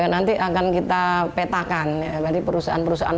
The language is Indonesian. nanti akan kita petakan dari perusahaan perusahaan